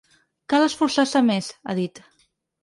Cal esforçar-se més, ha dit.